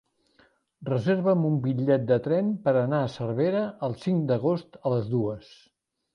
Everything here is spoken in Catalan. Reserva'm un bitllet de tren per anar a Cervera el cinc d'agost a les dues.